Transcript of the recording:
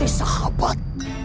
itulah arti sahabat